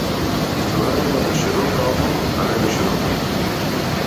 Истовремено беше рок-албум, а не беше рок.